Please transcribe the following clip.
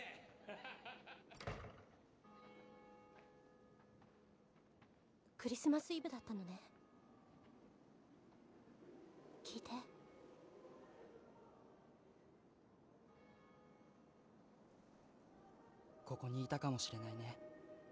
ハハハハクリスマス・イブだったのね聞いてここにいたかもしれないね